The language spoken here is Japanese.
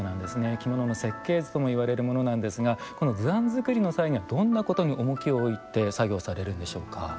着物の設計図ともいわれるものなんですがこの図案作りの際にはどんなことに重きを置いて作業されるんでしょうか。